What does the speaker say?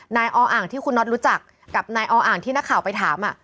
อ่างที่คุณน็อตรู้จักกับนายออ่างที่นักข่าวไปถาม